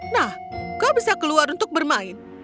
nah kau bisa keluar untuk bermain